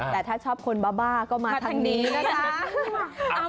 แต่ถ้าชอบคนบ้าบ้าก็มาทางนี้นะคะ